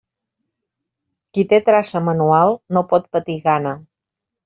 Qui té traça manual no pot patir gana.